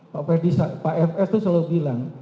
pak ferdi pak fs itu selalu bilang